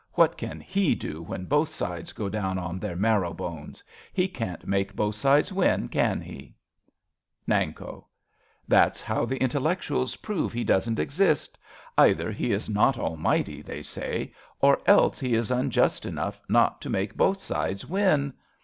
What can He do when both sides go down on their marrow bones ? He can't make both sides win, can He ? Nanko. That's how the intellectuals prove He doesn't exist. Either He is not almighty, they say, or else He is unjust enough not to make both sides win.